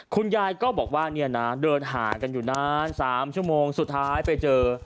คุณยายก็บอกว่าเนี่ยนะเดินหากันอยู่นาน๓ชั่วโมงสุดท้ายไปเจอ